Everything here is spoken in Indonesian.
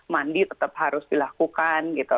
mandi tetap harus dilakukan gitu